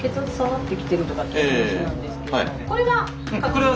これは。